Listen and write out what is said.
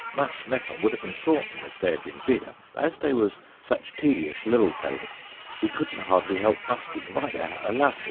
Mas' Meppom would a been froughten if dey had been bigger, but as dey was such tedious liddle fellers, he couldn't hardly help bustin right out a laffin'.